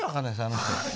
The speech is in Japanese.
あの人。